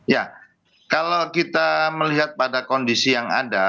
ya kalau kita melihat pada kondisi yang ada